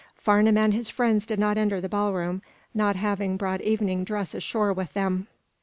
Farnum and his friends did not enter the ballroom, not having brought evening dress ashore with them.